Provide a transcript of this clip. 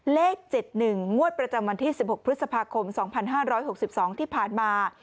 เลข๗๑งวดประจำวันที่๑๖พฤษภาคม๒๕๖๒ที่ผ่านมา